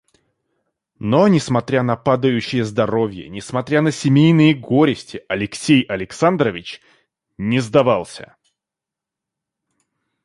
Но, несмотря на падающее здоровье, несмотря на семейные горести, Алексей Александрович не сдавался.